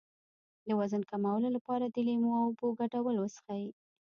د وزن کمولو لپاره د لیمو او اوبو ګډول وڅښئ